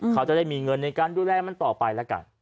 เขาจะได้มีเงินในการดูแลมันต่อไปแล้วกัน